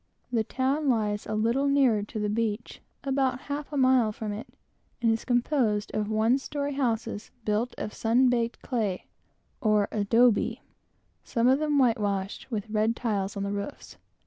The town lies a little nearer to the beach about half a mile from it and is composed of one story houses built of brown clay some of them plastered with red tiles on the roofs.